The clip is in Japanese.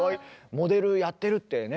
モデルやってるってね